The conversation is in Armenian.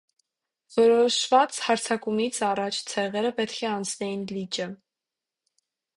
Որոշված հարձակումից առաջ ցեղերը պետք է անցնեին լիճը։